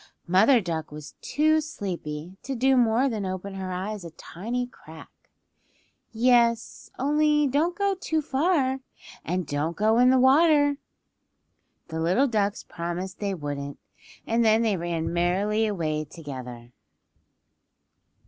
Mother Duck was too sleepy to do more than open her eyes a tiny crack. "Yes; only don't go too far, and don't go in the water." The little ducks promised they wouldn't, and then they ran merrily away together.